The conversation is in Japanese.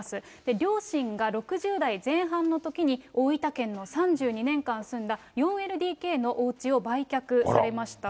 両親が６０代前半のときに、大分県の３２年間住んだ４ＬＤＫのおうちを売却されました。